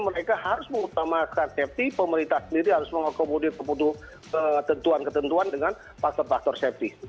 mereka harus mengutamakan safety pemerintah sendiri harus mengakomodir kebutuhan ketentuan dengan faktor faktor safety